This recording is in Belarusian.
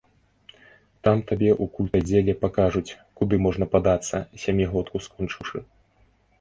Там табе ў культаддзеле пакажуць, куды можна падацца, сямігодку скончыўшы.